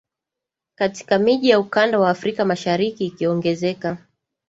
katika miji ya ukanda wa afrika mashariki ikiongezeka